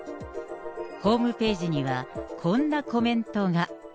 ホームページには、こんなコメントが。